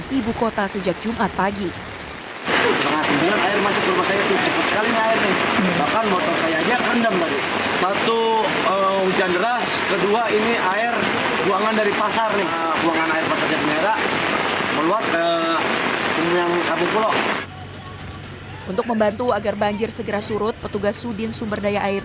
suhu kota sejak jumat pagi untuk membantu agar banjir segera surut petugas sudin sumberdaya air